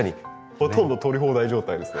ほとんど取り放題状態ですね。